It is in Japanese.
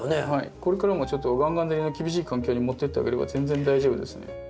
これからもちょっとがんがん照りの厳しい環境に持ってってあげれば全然大丈夫ですね。